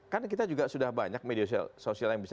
kan kita juga sudah banyak media sosial yang bisa